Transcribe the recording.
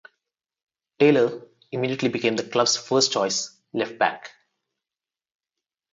Taylor immediately became the club's first-choice left-back.